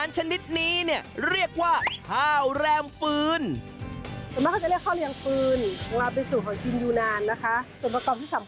ส่วนประกอบที่สำคัญก็คือจะเป็นถั่วนะคะ